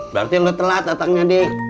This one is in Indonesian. berarti lu telat datangnya d